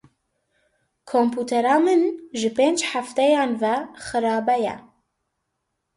Kompûtera min ji pênc hefteyan ve xerabe ye.